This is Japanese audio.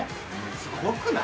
すごくない？